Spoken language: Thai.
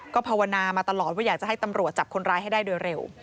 ภาวนามาตลอดว่าอยากจะให้ตำรวจจับคนร้ายให้ได้โดยเร็ว